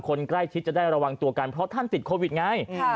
คนใกล้ชิดจะได้ระวังตัวกันเพราะท่านติดโควิดไง